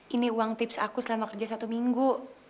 ini uang tips aku selama kerja satu minggu